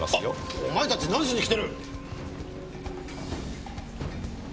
あっお前たち何しに来てる！？